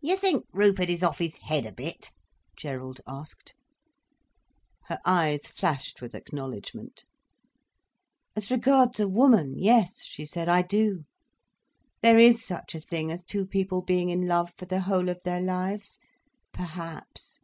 "You think Rupert is off his head a bit?" Gerald asked. Her eyes flashed with acknowledgment. "As regards a woman, yes," she said, "I do. There is such a thing as two people being in love for the whole of their lives—perhaps.